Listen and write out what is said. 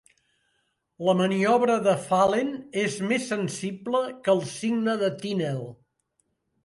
La maniobra de Phalen és més sensible que el signe de Tinel.